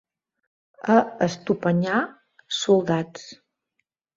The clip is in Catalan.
A Estopanyà, soldats.